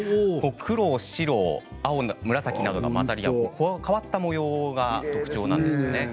黒、白、青、紫などが入った、変わった模様が特徴なんですね。